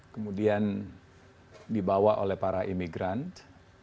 kemudian dibawa oleh para imigran